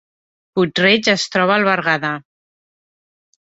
Puig-reig es troba al Berguedà